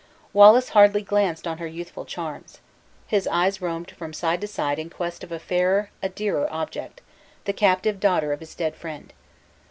Wallace hardly glanced on her youthful charms; his eyes roamed from side to side in quest of a fairer, a dearer object the captive daughter of his dead friend!